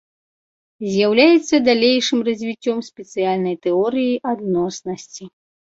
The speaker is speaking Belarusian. З'яўляецца далейшым развіццём спецыяльнай тэорыі адноснасці.